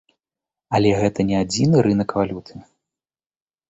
Але гэта не адзіны рынак валюты.